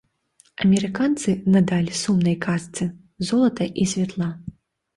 Амерыканцы надалі сумнай казцы золата і святла.